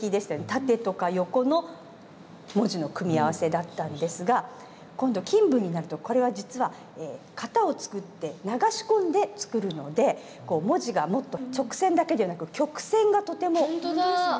縦とか横の文字の組み合わせだったんですが今度金文になるとこれは実は型を作って流し込んで作るので文字がもっと直線だけじゃなく曲線がとても強調されてますよね。